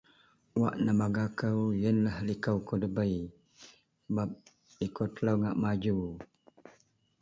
Wak nebanggakou yen lah likoukou debei sebap likou telou ngak maju